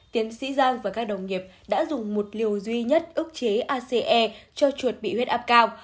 tiến sĩ giang và các đồng nghiệp đã dùng một liều duy nhất ước chế asee cho chuột bị huyết áp cao